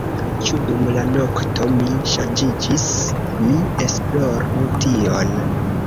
Ĉu dum la nokto mi ŝanĝiĝis? mi esploru tion.